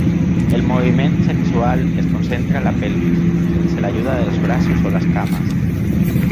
El moviment sexual es concentra en les pelvis, sense l'ajuda dels braços o les cames.